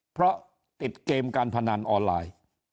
เพราะติดเกมการพนันออนไลน์